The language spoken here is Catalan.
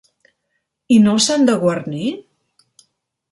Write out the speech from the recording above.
I no s'han de guarnir?